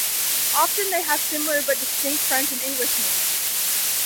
Often, they have similar but distinct French and English names.